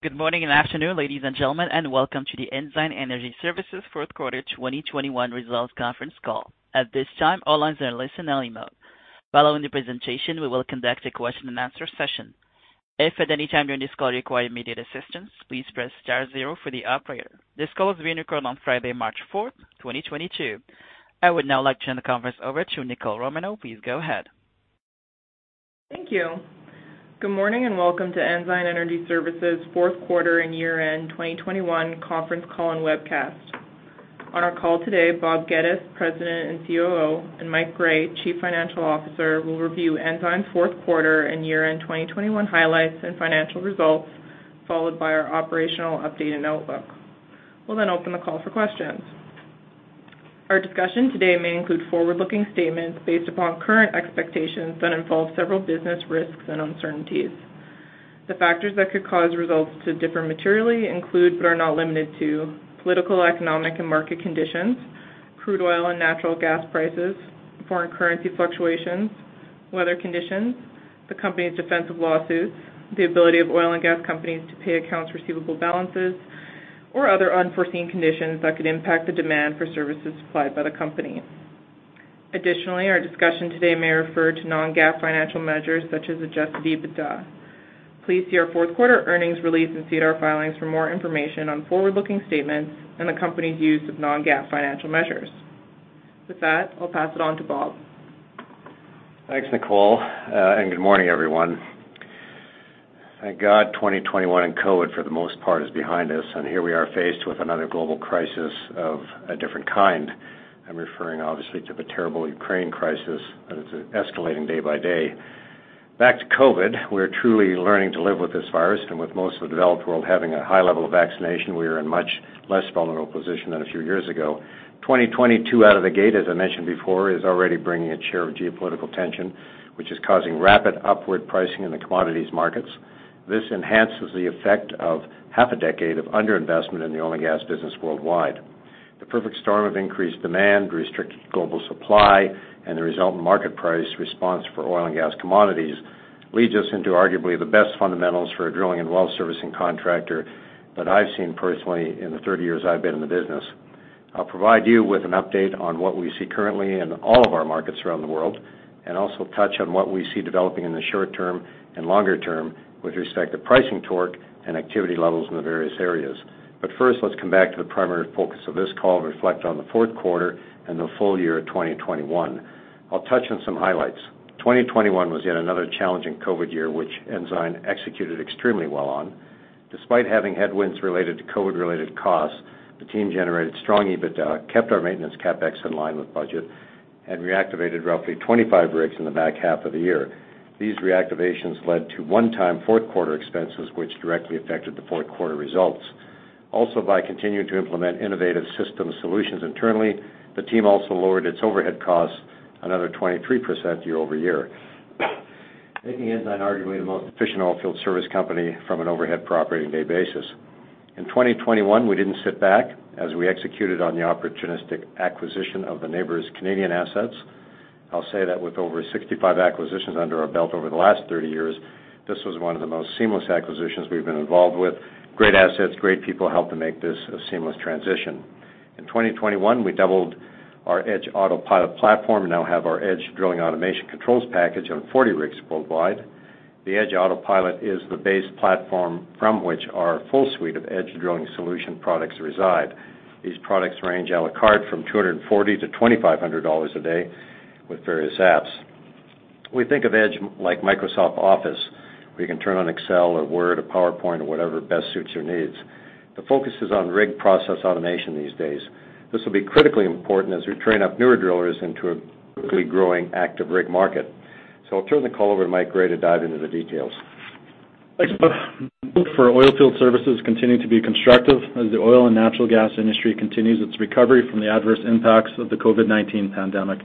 Good morning and afternoon, ladies and gentlemen, and welcome to the Ensign Energy Services fourth quarter 2021 results conference call. At this time, all lines are in listen only mode. Following the presentation, we will conduct a question-and-answer session. If at any time during this call you require immediate assistance, please press star zero for the operator. This call is being recorded on Friday, March 4, 2022. I would now like to turn the conference over to Nicole Romanow. Please go ahead. Thank you. Good morning and welcome to Ensign Energy Services fourth quarter and year-end 2021 conference call and webcast. On our call today, Bob Geddes, President and COO, and Mike Gray, Chief Financial Officer, will review Ensign fourth quarter and year-end 2021 highlights and financial results, followed by our operational update and outlook. We'll then open the call for questions. Our discussion today may include forward-looking statements based upon current expectations that involve several business risks and uncertainties. The factors that could cause results to differ materially include, but are not limited to, political, economic, and market conditions, crude oil and natural gas prices, foreign currency fluctuations, weather conditions, the company's defensive lawsuits, the ability of oil and gas companies to pay accounts receivable balances, or other unforeseen conditions that could impact the demand for services supplied by the company. Additionally, our discussion today may refer to Non-GAAP financial measures such as Adjusted EBITDA. Please see our fourth-quarter earnings release and see our filings for more information on forward-looking statements and the company's use of Non-GAAP financial measures. With that, I'll pass it on to Bob. Thanks, Nicole, and good morning, everyone. Thank God, 2021 and COVID, for the most part, is behind us, and here we are faced with another global crisis of a different kind. I'm referring obviously to the terrible Ukraine crisis that is escalating day by day. Back to COVID, we're truly learning to live with this virus, and with most of the developed world having a high level of vaccination, we are in much less vulnerable position than a few years ago. 2022 out of the gate, as I mentioned before, is already bringing its share of geopolitical tension, which is causing rapid upward pricing in the commodities markets. This enhances the effect of half a decade of under-investment in the oil and gas business worldwide. The perfect storm of increased demand, restricted global supply, and the result in market price response for oil and gas commodities leads us into arguably the best fundamentals for a drilling and well servicing contractor that I've seen personally in the 30 years I've been in the business. I'll provide you with an update on what we see currently in all of our markets around the world, and also touch on what we see developing in the short term and longer term with respect to pricing torque and activity levels in the various areas. First, let's come back to the primary focus of this call to reflect on the fourth quarter and the full year of 2021. I'll touch on some highlights. 2021 was yet another challenging COVID year, which Ensign executed extremely well on. Despite having headwinds related to COVID-related costs, the team generated strong EBITDA, kept our maintenance CapEx in line with budget, and reactivated roughly 25 rigs in the back half of the year. These reactivations led to one-time fourth-quarter expenses, which directly affected the fourth-quarter results. Also, by continuing to implement innovative system solutions internally, the team also lowered its overhead costs another 23% year-over-year, making Ensign arguably the most efficient oilfield service company from an overhead per operating day basis. In 2021, we didn't sit back as we executed on the opportunistic acquisition of the Nabors' Canadian assets. I'll say that with over 65 acquisitions under our belt over the last 30 years, this was one of the most seamless acquisitions we've been involved with. Great assets, great people helped to make this a seamless transition. In 2021, we doubled our EDGE Autopilot platform and now have our EDGE Drilling Automation controls package on 40 rigs worldwide. The EDGE Autopilot is the base platform from which our full suite of EDGE Drilling Solutions products reside. These products range à la carte from 240 to 2,500 dollars a day with various apps. We think of EDGE like Microsoft Office, where you can turn on Excel or Word or PowerPoint or whatever best suits your needs. The focus is on rig process automation these days. This will be critically important as we train up newer drillers into a quickly growing active rig market. I'll turn the call over to Mike Gray to dive into the details. Thanks, Bob, for oilfield services continuing to be constructive as the oil and natural gas industry continues its recovery from the adverse impacts of the COVID-19 pandemic.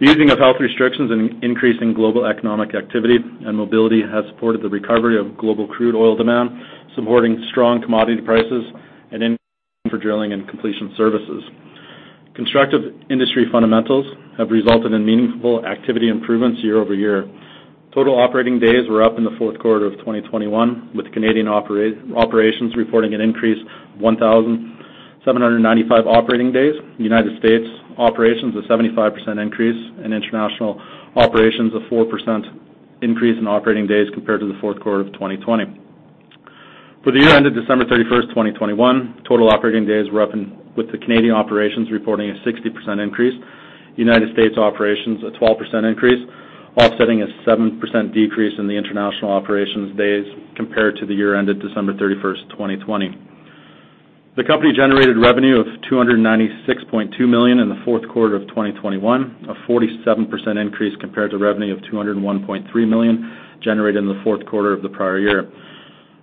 The easing of health restrictions and increasing global economic activity and mobility has supported the recovery of global crude oil demand, supporting strong commodity prices and demand for drilling and completion services. Constructive industry fundamentals have resulted in meaningful activity improvements year-over-year. Total operating days were up in the fourth quarter of 2021, with Canadian operations reporting an increase of 1,795 operating days, United States operations a 75% increase, and international operations a 4% increase in operating days compared to the fourth quarter of 2020. For the year ended December 31st, 2021, total operating days were up with the Canadian operations reporting a 60% increase, United States operations a 12% increase, offsetting a 7% decrease in the international operations days compared to the year ended December 31st, 2020. The company generated revenue of 296.2 million in the fourth quarter of 2021, a 47% increase compared to revenue of 201.3 million generated in the fourth quarter of the prior year.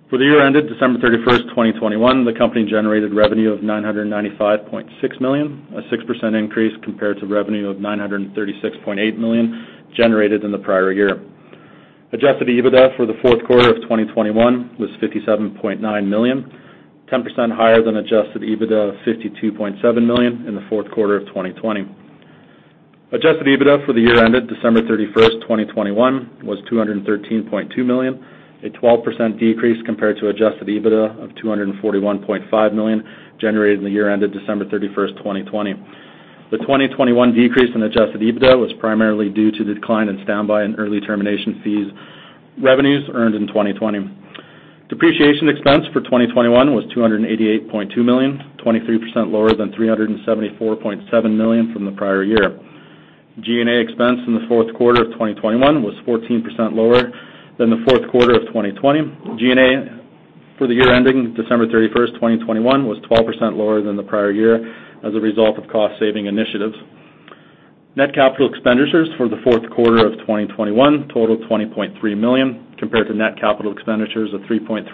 For the year ended December 31st, 2021, the company generated revenue of 995.6 million, a 6% increase compared to revenue of 936.8 million generated in the prior year. Adjusted EBITDA for the fourth quarter of 2021 was 57.9 million, 10% higher than adjusted EBITDA of 52.7 million in the fourth quarter of 2020. Adjusted EBITDA for the year ended December 31st, 2021 was 213.2 million, a 12% decrease compared to adjusted EBITDA of 241.5 million generated in the year ended December 31st, 2020. The 2021 decrease in adjusted EBITDA was primarily due to the decline in standby and early termination fees, revenues earned in 2020. Depreciation expense for 2021 was 288.2 million, 23% lower than 374.7 million from the prior year. G&A expense in the fourth quarter of 2021 was 14% lower than the fourth quarter of 2020. G&A for the year ending December 31st, 2021 was 12% lower than the prior year as a result of cost saving initiatives. Net capital expenditures for the fourth quarter of 2021 totaled 20.3 million compared to net capital expenditures of 3.3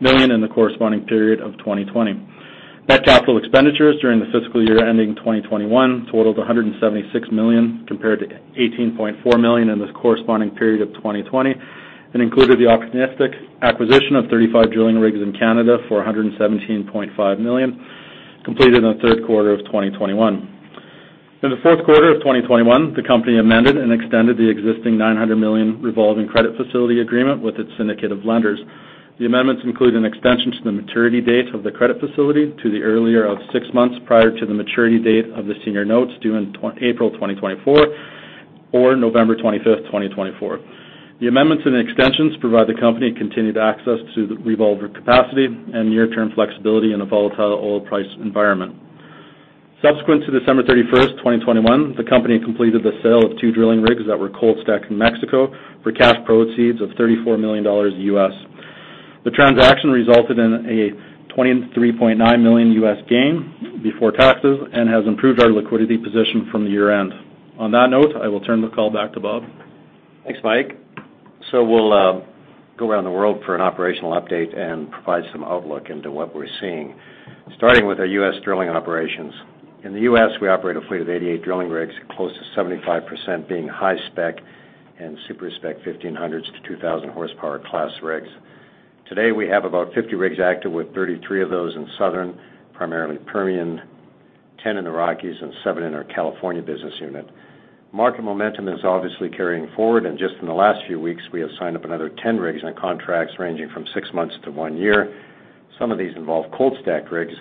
million in the corresponding period of 2020. Net capital expenditures during the fiscal year ending 2021 totaled 176 million compared to 18.4 million in this corresponding period of 2020, and included the acquisition of 35 drilling rigs in Canada for 117.5 million, completed in the third quarter of 2021. In the fourth quarter of 2021, the company amended and extended the existing 900 million revolving credit facility agreement with its syndicate of lenders. The amendments include an extension to the maturity date of the credit facility to the earlier of six months prior to the maturity date of the Senior Notes due in April 2024 or November 25th, 2024. The amendments and extensions provide the company continued access to the revolver capacity and near-term flexibility in a volatile oil price environment. Subsequent to December 31st, 2021, the company completed the sale of two drilling rigs that were cold stacked in Mexico for cash proceeds of $34 million. The transaction resulted in a $23.9 million gain before taxes and has improved our liquidity position from the year-end. On that note, I will turn the call back to Bob. Thanks, Mike. We'll go around the world for an operational update and provide some outlook into what we're seeing, starting with our U.S. drilling operations. In the U.S., we operate a fleet of 88 drilling rigs, close to 75% being high-spec and super-spec 1500s-2000 horsepower class rigs. Today, we have about 50 rigs active, with 33 of those in Southern, primarily Permian, 10 in the Rockies, and seven in our California business unit. Market momentum is obviously carrying forward, and just in the last few weeks, we have signed up another 10 rigs on contracts ranging from six months to one year. Some of these involve cold stacked rigs,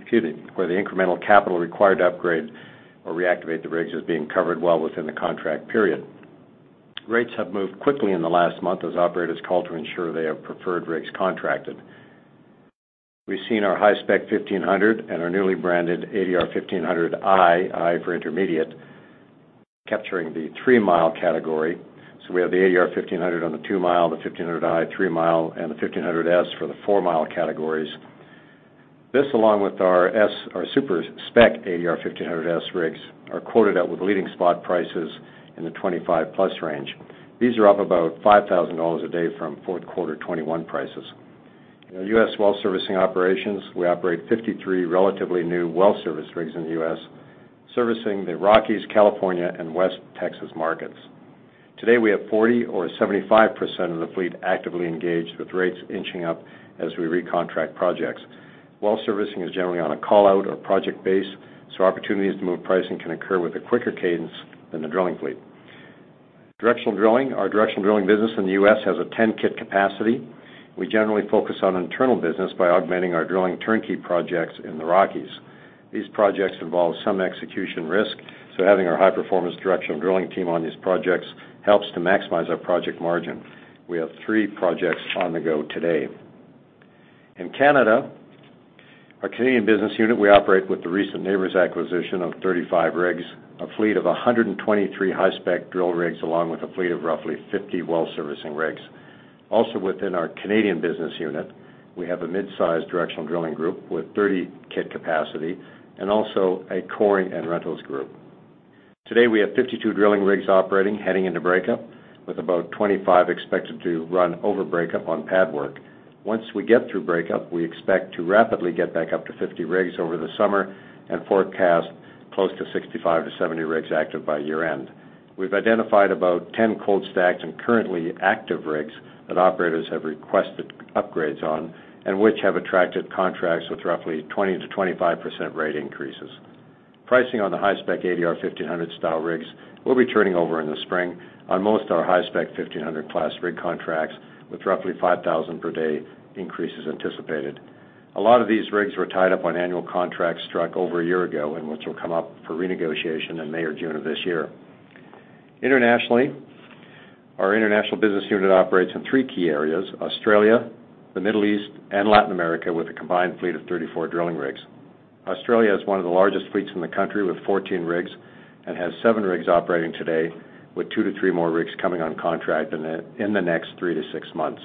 excuse me, where the incremental capital required to upgrade or reactivate the rigs is being covered well within the contract period. Rates have moved quickly in the last month as operators call to ensure they have preferred rigs contracted. We've seen our high-spec 1500 and our newly branded ADR 1500i, i for intermediate, capturing the 3-mile category. We have the ADR 1500 on the 2-mile, the 1500i 3-mile, and the 1500S for the 4-mile categories. This, along with our super-spec ADR 1500S rigs, are quoted out with leading spot prices in the 25+ range. These are up about 5,000 dollars a day from Q4 2021 prices. In our U.S. well servicing operations, we operate 53 relatively new well service rigs in the U.S., servicing the Rockies, California, and West Texas markets. Today, we have 40% or 75% of the fleet actively engaged, with rates inching up as we recontract projects. Well servicing is generally on a call-out or project base, so opportunities to move pricing can occur with a quicker cadence than the drilling fleet. Directional drilling. Our directional drilling business in the U.S. has a 10-kit capacity. We generally focus on internal business by augmenting our drilling turnkey projects in the Rockies. These projects involve some execution risk, so having our high-performance directional drilling team on these projects helps to maximize our project margin. We have three projects on the go today. In Canada, our Canadian business unit, we operate with the recent Nabors acquisition of 35 rigs, a fleet of 123 high-spec drill rigs, along with a fleet of roughly 50 well-servicing rigs. Also within our Canadian business unit, we have a mid-size directional drilling group with 30-kit capacity and also a coring and rentals group. Today, we have 52 drilling rigs operating heading into breakup, with about 25 expected to run over breakup on pad work. Once we get through breakup, we expect to rapidly get back up to 50 rigs over the summer and forecast close to 65 rigs-70 rigs active by year-end. We've identified about 10 cold stacked and currently active rigs that operators have requested upgrades on and which have attracted contracts with roughly 20%-25% rate increases. Pricing on the high-spec ADR 1500 style rigs will be turning over in the spring on most of our high-spec 1500 class rig contracts, with roughly $5,000 per day increases anticipated. A lot of these rigs were tied up on annual contracts struck over a year ago, and which will come up for renegotiation in May or June of this year. Internationally, our international business unit operates in three key areas: Australia, the Middle East, and Latin America, with a combined fleet of 34 drilling rigs. Australia has one of the largest fleets in the country with 14 rigs and has 7-rigs operating today, with 2-3 more rigs coming on contract in the next 3 months-6 months.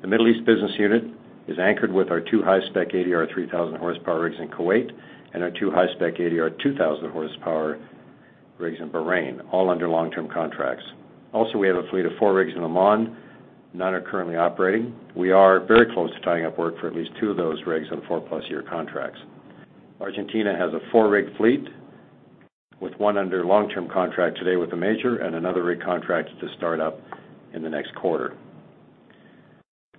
The Middle East business unit is anchored with our two high-spec ADR 3,000-horsepower rigs in Kuwait and our two high-spec ADR 2,000-horsepower rigs in Bahrain, all under long-term contracts. Also, we have a fleet of 4 rigs in Oman. None are currently operating. We are very close to tying up work for at least two of those rigs on 4+ year contracts. Argentina has a 4-rig fleet, with one under long-term contract today with a major and another rig contracted to start up in the next quarter.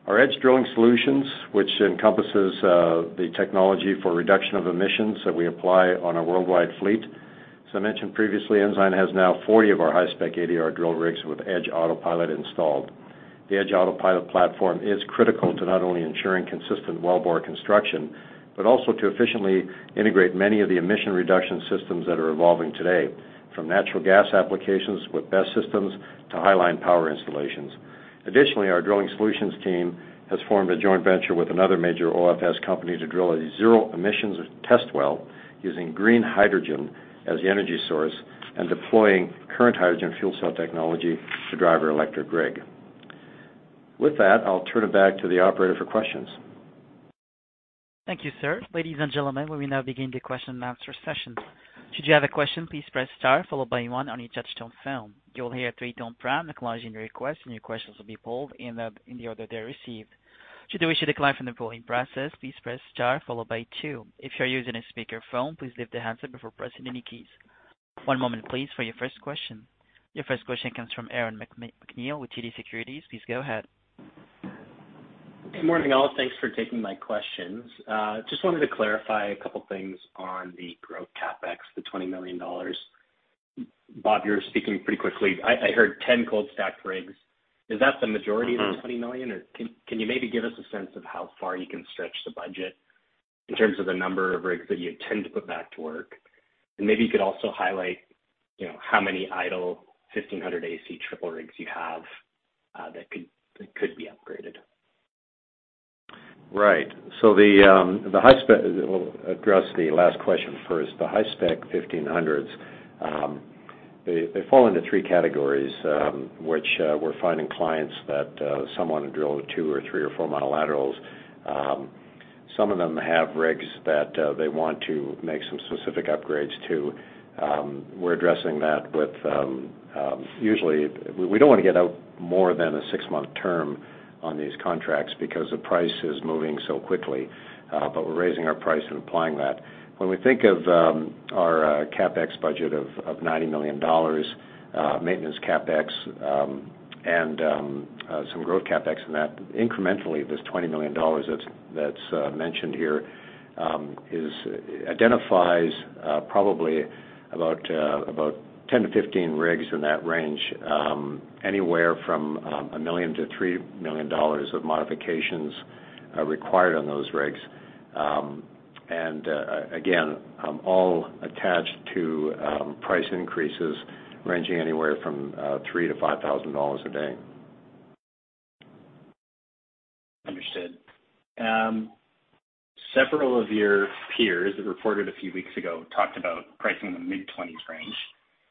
Our EDGE Drilling Solutions, which encompasses the technology for reduction of emissions that we apply on our worldwide fleet. As I mentioned previously, Ensign has now 40 of our high-spec ADR drill rigs with EDGE Autopilot installed. The EDGE Autopilot platform is critical to not only ensuring consistent wellbore construction, but also to efficiently integrate many of the emission reduction systems that are evolving today, from natural gas applications with BESS systems to highline power installations. Additionally, our drilling solutions team has formed a joint venture with another major OFS company to drill a zero emissions test well using green hydrogen as the energy source and deploying current hydrogen fuel cell technology to drive our electric rig. With that, I'll turn it back to the operator for questions. Thank you, sir. Ladies and gentlemen, we will now begin the question and answer session. Should you have a question, please press star followed by one on your touch tone phone. You will hear a three-tone prompt acknowledging your request, and your questions will be pulled in the order they're received. Should you wish to decline from the polling process, please press star followed by two. If you're using a speaker phone, please lift the handset before pressing any keys. One moment please for your first question. Your first question comes from Aaron MacNeil with TD Securities. Please go ahead. Good morning, all. Thanks for taking my questions. Just wanted to clarify a couple of things on the growth CapEx, the 20 million dollars. Bob, you were speaking pretty quickly. I heard 10 cold stacked rigs. Is that the majority of the 20 million, or can you maybe give us a sense of how far you can stretch the budget in terms of the number of rigs that you tend to put back to work? Maybe you could also highlight, you know, how many idle 1,500 AC triple rigs you have that could be upgraded. Right. We'll address the last question first. The high-spec 1500s fall into three categories, which we're finding clients that some want to drill two or three or four multilaterals. Some of them have rigs that they want to make some specific upgrades to. We're addressing that. We don't wanna get out more than a 6-month term on these contracts because the price is moving so quickly, but we're raising our price and applying that. When we think of our CapEx budget of 90 million dollars, maintenance CapEx and some growth CapEx in that, incrementally, this 20 million dollars that's mentioned here identifies probably about 10 rigs-15 rigs in that range, anywhere from 1 million-3 million dollars of modifications required on those rigs. Again, all attached to price increases ranging anywhere from 3,000-5,000 dollars a day. Understood. Several of your peers that reported a few weeks ago talked about pricing in the mid-20s range.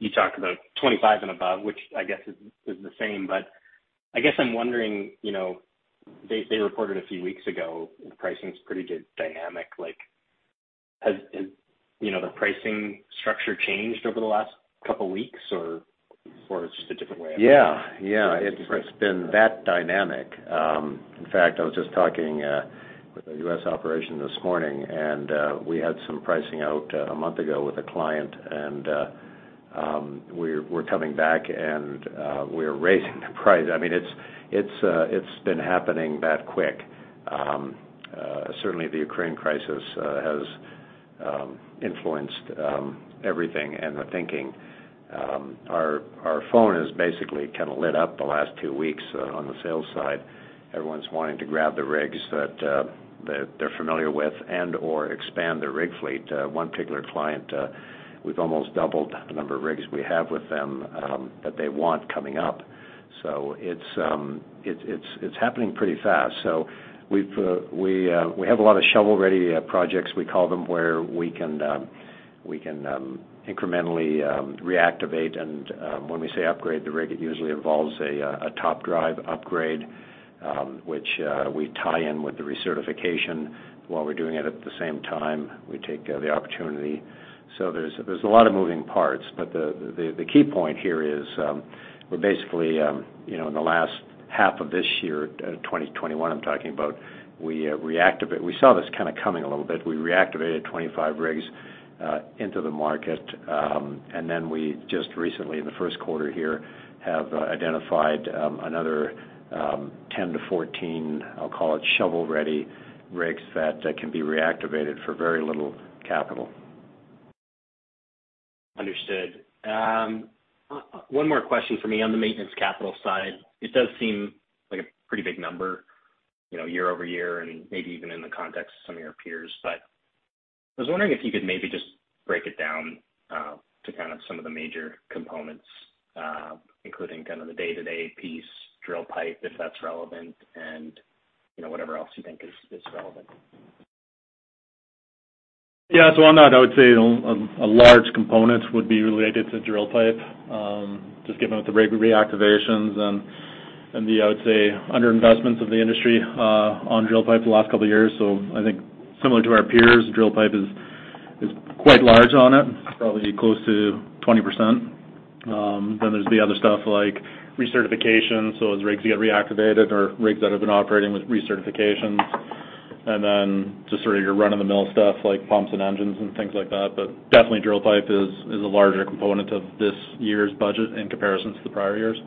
You talked about 25 and above, which I guess is the same. I guess I'm wondering, you know, they reported a few weeks ago, the pricing is pretty dynamic. Like, has you know, the pricing structure changed over the last couple of weeks or it's just a different way of- Yeah. It's been that dynamic. In fact, I was just talking with the U.S. operation this morning, and we had some pricing out a month ago with a client, and we're coming back and we're raising the price. I mean, it's been happening that quick. Certainly the Ukraine crisis has influenced everything and the thinking. Our phone is basically kinda lit up the last two weeks on the sales side. Everyone's wanting to grab the rigs that they're familiar with and or expand their rig fleet. One particular client, we've almost doubled the number of rigs we have with them that they want coming up. It's happening pretty fast. We have a lot of shovel-ready projects, we call them, where we can incrementally reactivate. When we say upgrade the rig, it usually involves a top drive upgrade, which we tie in with the recertification while we're doing it at the same time, we take the opportunity. There's a lot of moving parts. The key point here is, we're basically you know, in the last half of this year, 2021, I'm talking about, we saw this kinda coming a little bit. We reactivated 25 rigs into the market. We just recently in the first quarter here have identified another 10-14, I'll call it, shovel-ready rigs that can be reactivated for very little capital. Understood. One more question for me on the maintenance capital side. It does seem like a pretty big number, you know, year-over-year and maybe even in the context of some of your peers. But I was wondering if you could maybe just break it down to kind of some of the major components, including kind of the day-to-day piece, drill pipe, if that's relevant, and, you know, whatever else you think is relevant. Yeah. On that, I would say a large component would be related to drill pipe, just given the rig reactivations and the, I would say, under investments of the industry, on drill pipe the last couple of years. I think similar to our peers, drill pipe is quite large on it, probably close to 20%. Then there's the other stuff like recertification. As rigs get reactivated or rigs that have been operating with recertifications just sort of your run-of-the-mill stuff like pumps and engines and things like that. Definitely drill pipe is a larger component of this year's budget in comparison to the prior years.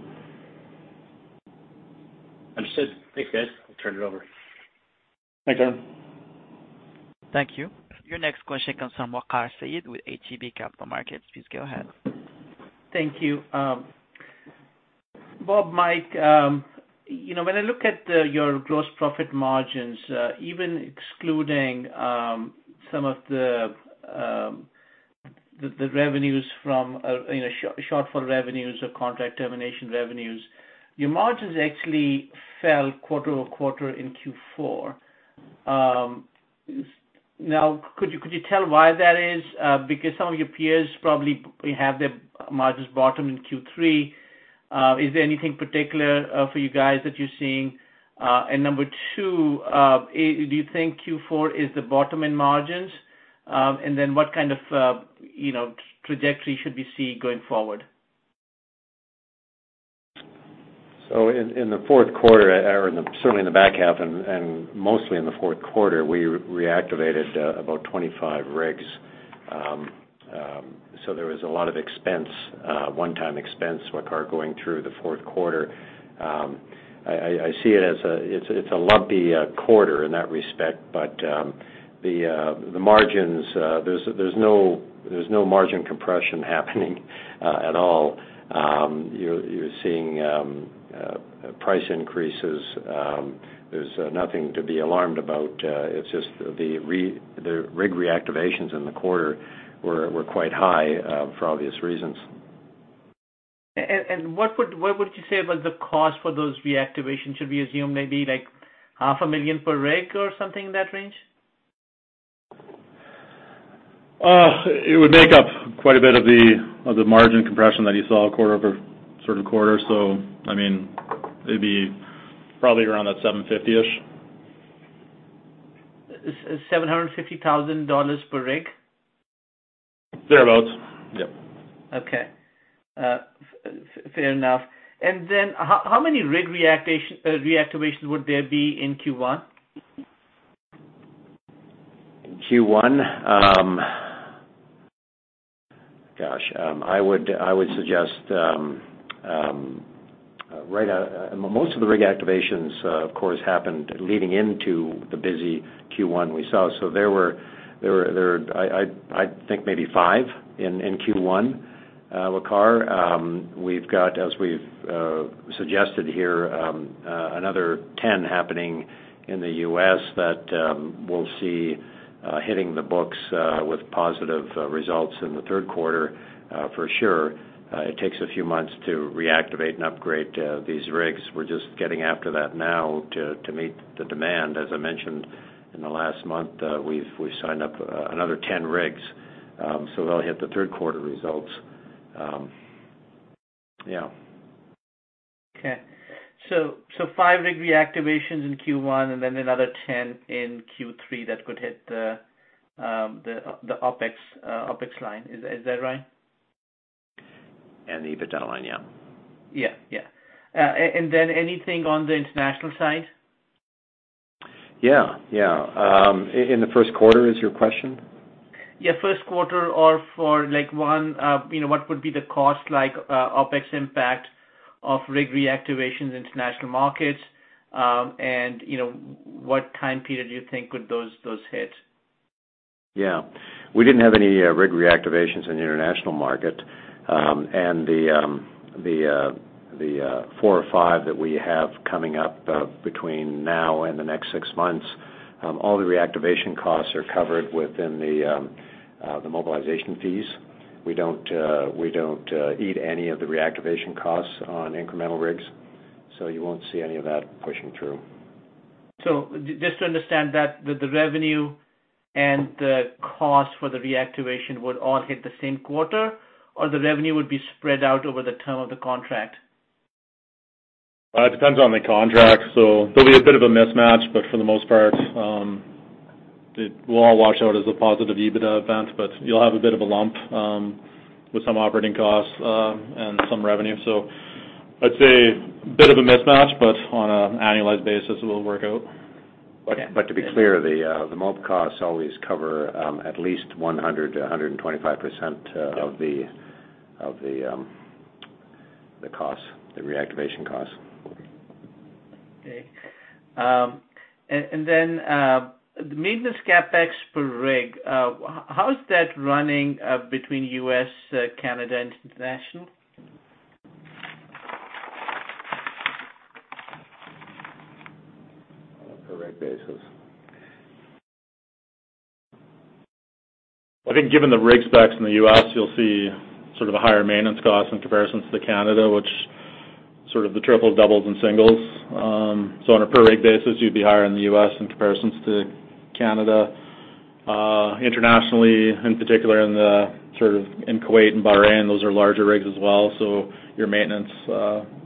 Understood. Thanks, guys. I'll turn it over. Thanks, Aaron. Thank you. Your next question comes from Waqar Syed with ATB Capital Markets. Please go ahead. Thank you. Bob, Mike, you know, when I look at your gross profit margins, even excluding some of the revenues from, you know, shortfall revenues or contract termination revenues, your margins actually fell quarter-over-quarter in Q4. Now could you tell why that is? Because some of your peers probably have their margins bottom in Q3. Is there anything particular for you guys that you're seeing? Number two, do you think Q4 is the bottom in margins? And then what kind of trajectory should we see going forward? In the fourth quarter or, certainly, in the back half and mostly in the fourth quarter, we reactivated about 25 rigs. There was a lot of expense, one-time expense, Waqar, going through the fourth quarter. I see it as a lumpy quarter in that respect. The margins, there's no margin compression happening at all. You're seeing price increases. There's nothing to be alarmed about. It's just the rig reactivations in the quarter were quite high for obvious reasons. What would you say was the cost for those reactivations? Should we assume maybe like 1.5 million per rig or something in that range? It would make up quite a bit of the margin compression that you saw quarter over quarter. I mean, it'd be probably around that 750-ish. CAD 750,000 per rig? Thereabouts, yep. Okay. Fair enough. How many rig reactivations would there be in Q1? In Q1? I suggest right, most of the rig activations, of course, happened leading into the busy Q1 we saw. There were I think maybe five in Q1, Waqar. We've got, as we've suggested here, another 10 happening in the U.S. that we'll see hitting the books with positive results in the third quarter, for sure. It takes a few months to reactivate and upgrade these rigs. We're just getting after that now to meet the demand. As I mentioned in the last month, we signed up another 10 rigs. So they'll hit the third quarter results. Yeah. Okay. Five rig reactivations in Q1 and then another 10 in Q3 that could hit the OpEx line. Is that right? The EBITDA line, yeah. Yeah, yeah. Then anything on the international side? Yeah, yeah. In the first quarter is your question? Yeah, first quarter or for like one, you know, what would be the cost like, OpEx impact of rig reactivations international markets, and you know, what time period do you think could those hit? Yeah. We didn't have any rig reactivations in the international market. The four or five that we have coming up between now and the next six months, all the reactivation costs are covered within the mobilization fees. We don't eat any of the reactivation costs on incremental rigs, so you won't see any of that pushing through. Just to understand that, the revenue and the cost for the reactivation would all hit the same quarter, or the revenue would be spread out over the term of the contract? It depends on the contract, so there'll be a bit of a mismatch, but for the most part, it will all wash out as a positive EBITDA event, but you'll have a bit of a lump with some operating costs and some revenue. I'd say a bit of a mismatch, but on an annualized basis, it will work out. To be clear, the mobilization costs always cover at least 100%-125% of the costs, the reactivation costs. Okay. The maintenance CapEx per rig, how is that running between U.S., Canada, and international? On a per rig basis. I think given the rig specs in the U.S., you'll see sort of a higher maintenance cost in comparison to Canada, which sort of the triples, doubles, and singles. So on a per rig basis, you'd be higher in the U.S. in comparison to Canada. Internationally, in particular in Kuwait and Bahrain, those are larger rigs as well, so your maintenance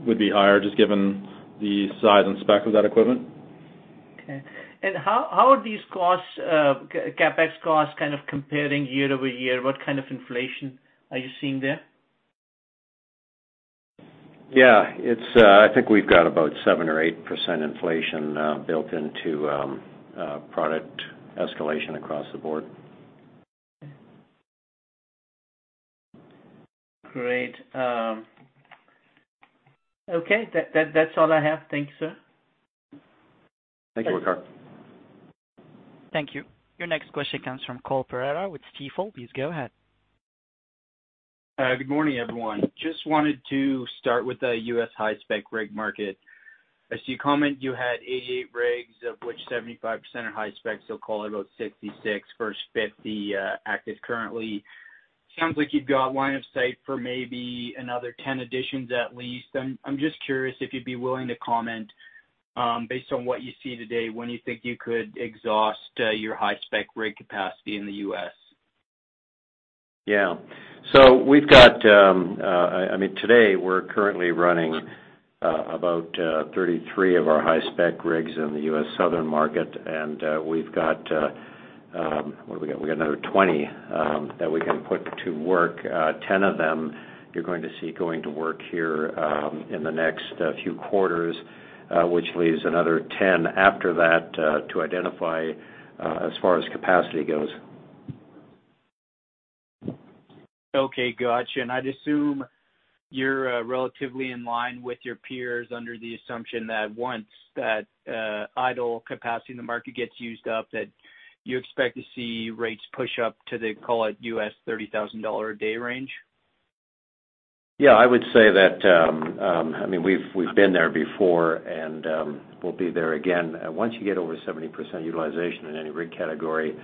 would be higher just given the size and spec of that equipment. Okay. How are these costs, CapEx costs kind of comparing year-over-year? What kind of inflation are you seeing there? Yeah, I think we've got about 7%-8% inflation built into product escalation across the board. Great. Okay. That's all I have. Thank you, sir. Thank you, Waqar Syed. Thank you. Your next question comes from Cole Pereira with Stifel. Please go ahead. Good morning, everyone. Just wanted to start with the U.S. high-spec rig market. I see a comment you had 88 rigs, of which 75% are high-specs, so call it about 66 versus 50 active currently. Sounds like you've got line of sight for maybe another 10 additions, at least. I'm just curious if you'd be willing to comment, based on what you see today, when you think you could exhaust your high-spec rig capacity in the U.S.? We've got, I mean, today, we're currently running about 33 of our high-spec rigs in the U.S. southern market. We've got what have we got? We got another 20 that we can put to work. Ten of them you're going to see going to work here in the next few quarters, which leaves another 10 after that to identify as far as capacity goes. Okay, gotcha. I'd assume you're relatively in line with your peers under the assumption that once that idle capacity in the market gets used up, that you expect to see rates push up to the, call it $30,000 a day range. Yeah, I would say that, I mean, we've been there before and we'll be there again. Once you get over 70% utilization in any rig category,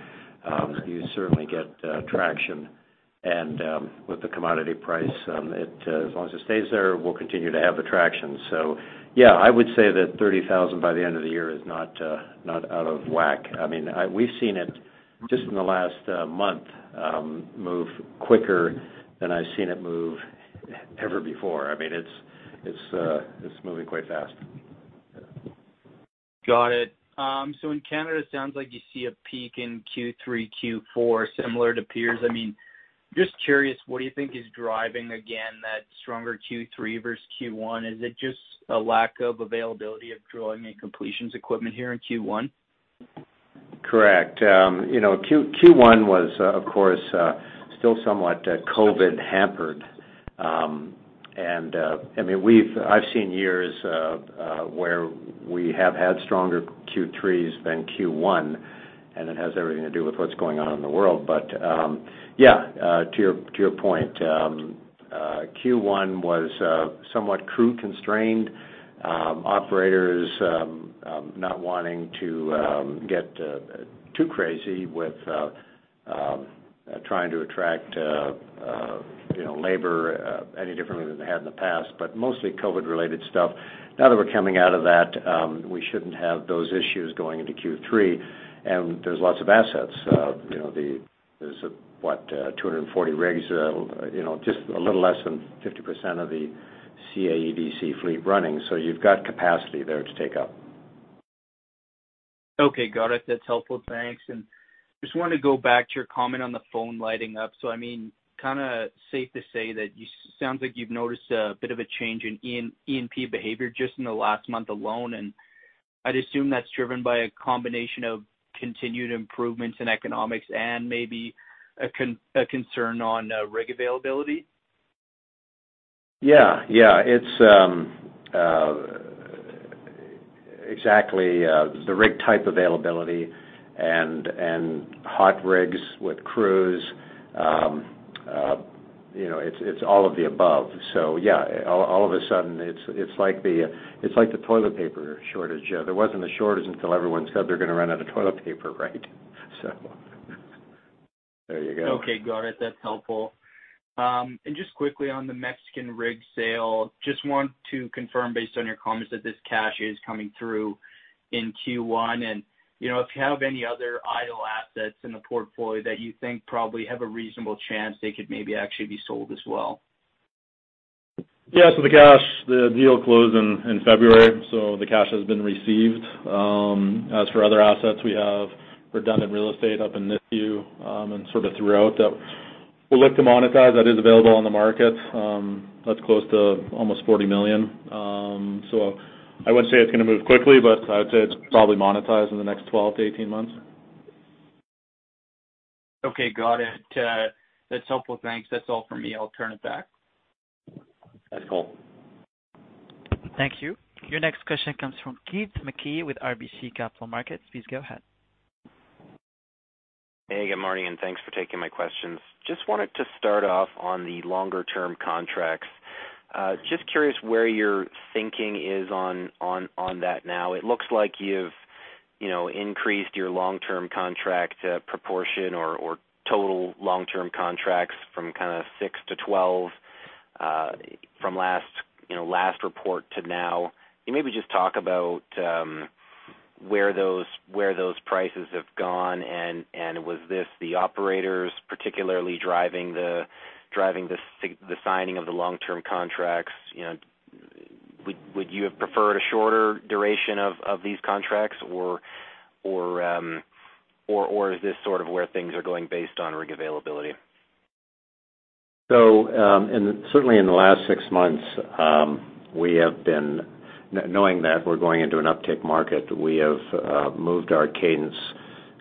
you certainly get traction. With the commodity price, it as long as it stays there, we'll continue to have the traction. Yeah, I would say that 30,000 by the end of the year is not out of whack. I mean, we've seen it just in the last month move quicker than I've seen it move ever before. I mean, it's moving quite fast. Got it. So in Canada, it sounds like you see a peak in Q3, Q4, similar to peers. I mean, just curious, what do you think is driving again that stronger Q3 versus Q1? Is it just a lack of availability of drilling and completions equipment here in Q1? Correct. You know, Q1 was, of course, still somewhat COVID-hampered. I mean, I've seen years where we have had stronger Q3s than Q1, and it has everything to do with what's going on in the world. But yeah, to your point, Q1 was somewhat crew-constrained, operators not wanting to get too crazy with trying to attract, you know, labor any differently than they had in the past, but mostly COVID-related stuff. Now that we're coming out of that, we shouldn't have those issues going into Q3, and there's lots of assets. You know, there's what, 240 rigs, you know, just a little less than 50% of the CAODC fleet running, so you've got capacity there to take up. Okay, got it. That's helpful. Thanks. Just wanted to go back to your comment on the phone lighting up. I mean, kinda safe to say that sounds like you've noticed a bit of a change in E&P behavior just in the last month alone. I'd assume that's driven by a combination of continued improvements in economics and maybe a concern on rig availability. Yeah. It's exactly the rig type availability and hot rigs with crews. You know, it's all of the above. Yeah, all of a sudden it's like the toilet paper shortage. There wasn't a shortage until everyone said they're gonna run out of toilet paper, right? There you go. Okay, got it. That's helpful. Just quickly on the Mexican rig sale, just want to confirm based on your comments that this cash is coming through in Q1. You know, if you have any other idle assets in the portfolio that you think probably have a reasonable chance they could maybe actually be sold as well. Yeah. The cash, the deal closed in February, so the cash has been received. As for other assets, we have redundant real estate up in Nisku, and sort of throughout that we'll look to monetize. That is available on the market. That's close to almost 40 million. I would say it's gonna move quickly, but I would say it's probably monetized in the next 12 months-18 months. Okay, got it. That's helpful. Thanks. That's all for me. I'll turn it back. Thanks, Cole. Thank you. Your next question comes from Keith MacKey with RBC Capital Markets. Please go ahead. Hey, good morning, and thanks for taking my questions. Just wanted to start off on the longer-term contracts. Just curious where your thinking is on that now. It looks like you've, you know, increased your long-term contract proportion or total long-term contracts from kind of six to 12, you know, from last report to now. Can you maybe just talk about where those prices have gone? Was this the operators particularly driving the signing of the long-term contracts? You know, would you have preferred a shorter duration of these contracts or is this sort of where things are going based on rig availability? Certainly in the last six months, we have been knowing that we're going into an uptick market. We have moved our cadence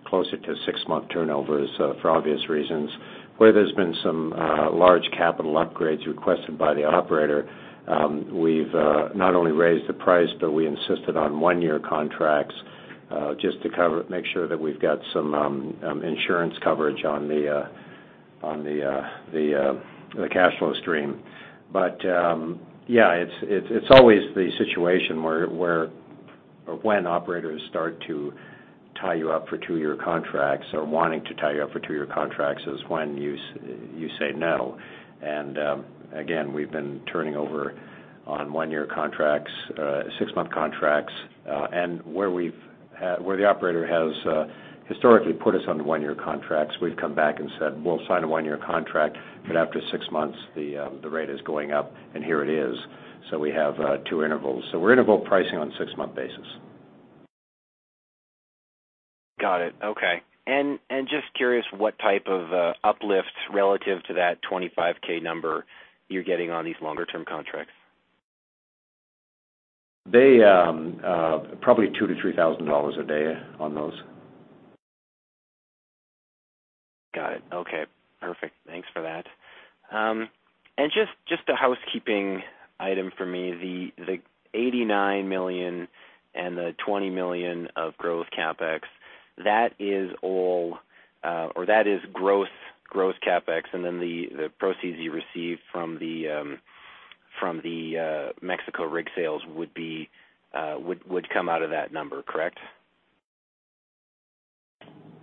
closer to six-month turnovers for obvious reasons. Where there's been some large capital upgrades requested by the operator, we've not only raised the price, but we insisted on one-year contracts just to cover it, make sure that we've got some insurance coverage on the cash flow stream. It's always the situation where or when operators start to tie you up for two-year contracts or wanting to tie you up for two-year contracts is when you say no. Again, we've been turning over on one-year contracts, six-month contracts. where the operator has historically put us on one-year contracts, we've come back and said, "We'll sign a one-year contract, but after six months the rate is going up," and here it is. We have two intervals. We're interval pricing on six-month basis. Got it. Okay. Just curious what type of uplifts relative to that 25K number you're getting on these longer term contracts? They probably 2,000-3,000 dollars a day on those. Got it. Okay. Perfect. Thanks for that. Just a housekeeping item for me. The 89 million and the 20 million of growth CapEx, that is all, or that is growth CapEx, and then the proceeds you receive from the Mexico rig sales would come out of that number, correct?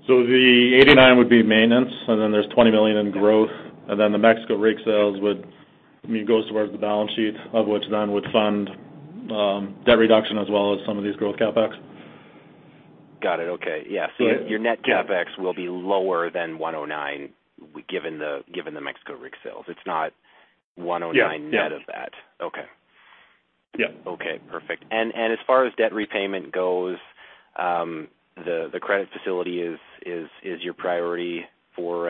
The 89 would be maintenance, and then there's 20 million in growth, and then the Mexico rig sales would, I mean, goes towards the balance sheet of which then would fund debt reduction as well as some of these growth CapEx. Got it. Okay. Yeah. Yeah. Your net CapEx will be lower than 109 given the Mexico rig sales. It's not 109- Yeah, yeah. Net of that. Okay. Yeah. Okay. Perfect. As far as debt repayment goes, the credit facility is your priority for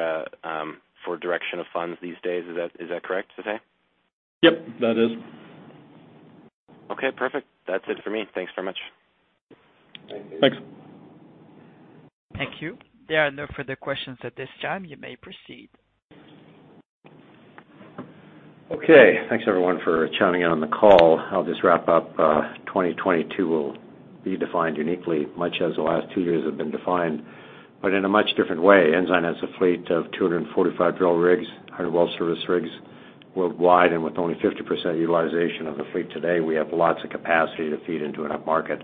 direction of funds these days. Is that correct to say? Yep, that is. Okay, perfect. That's it for me. Thanks very much. Thanks. Thank you. Thank you. There are no further questions at this time. You may proceed. Okay. Thanks everyone for chiming in on the call. I'll just wrap up. 2022 will be defined uniquely, much as the last two years have been defined, but in a much different way. Ensign has a fleet of 245 drill rigs, 100 well service rigs worldwide, and with only 50% utilization of the fleet today, we have lots of capacity to feed into an upmarket.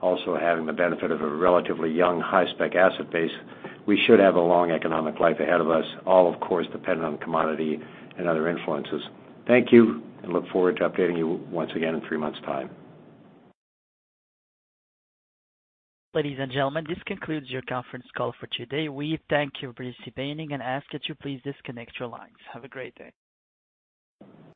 Also, having the benefit of a relatively young high-spec asset base, we should have a long economic life ahead of us, all of course dependent on commodity and other influences. Thank you and I look forward to updating you once again in three months' time. Ladies and gentlemen, this concludes your conference call for today. We thank you for participating and ask that you please disconnect your lines. Have a great day.